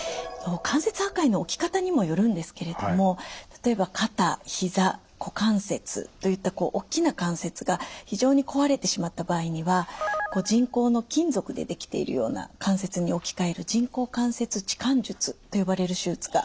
関節破壊の起き方にもよるんですけれども例えば肩・ひざ・股関節といったこう大きな関節が非常に壊れてしまった場合には人工の金属で出来ているような関節に置き換える人工関節置換術と呼ばれる手術が行われます。